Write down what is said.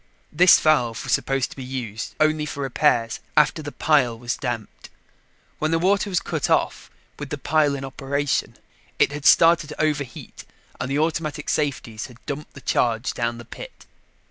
This valve was supposed to be used only for repairs, after the pile was damped. When the water was cut off with the pile in operation, it had started to overheat and the automatic safeties had dumped the charge down the pit.